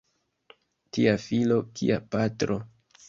Tia filo kia patro!